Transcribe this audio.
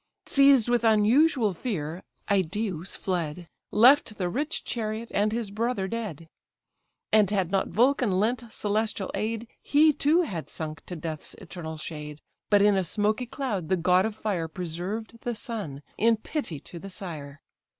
Seized with unusual fear, Idæus fled, Left the rich chariot, and his brother dead. And had not Vulcan lent celestial aid, He too had sunk to death's eternal shade; But in a smoky cloud the god of fire Preserved the son, in pity to the sire.